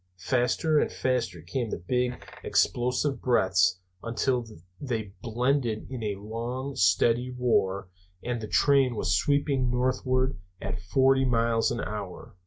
Faster and faster came the big explosive breaths, until they blended in a long steady roar, and the train was sweeping northward at forty miles an hour.